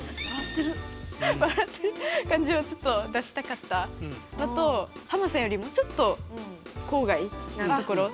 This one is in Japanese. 笑ってる感じをちょっと出したかったのとハマさんよりもちょっと郊外な所。